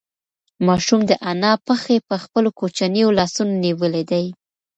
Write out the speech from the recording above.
ماشوم د انا پښې په خپلو کوچنیو لاسونو نیولې دي.